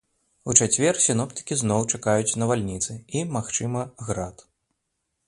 У чацвер сіноптыкі зноў чакаюць навальніцы і, магчыма, град.